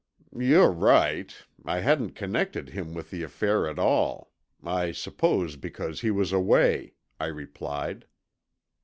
"You're right. I hadn't connected him with the affair at all. I suppose because he was away," I replied.